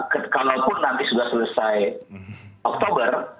kalaupun nanti sudah selesai oktober